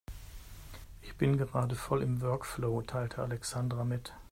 Ich bin gerade voll im Workflow, teilte Alexandra mit.